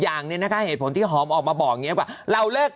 อย่างนี้นะคะเหตุผลที่หอมออกมาบอกอย่างนี้ว่าเราเลิก